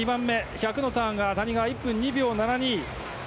１００のターンが谷川１分２秒７２。